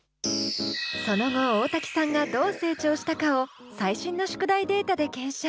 その後大瀧さんがどう成長したかを最新の宿題データで検証！